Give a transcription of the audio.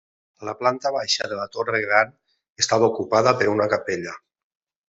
La planta baixa de la torre gran estava ocupada per una capella.